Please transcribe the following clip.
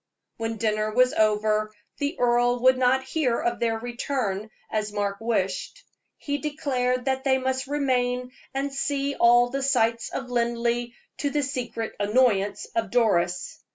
When dinner was over, the earl would not hear of their return, as Mark wished. He declared that they must remain and see all the sights of Linleigh, to the secret annoyance of Doris.